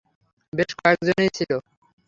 বেশ কয়েকজনই ছিল।